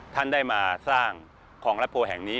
ท่านได้มาสร้างของรัฐโพแห่งนี้